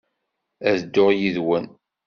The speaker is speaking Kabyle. Ad dduɣ yid-wen.